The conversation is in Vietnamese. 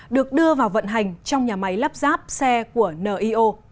được đưa vào vận hành trong nhà máy lắp ráp xe của nio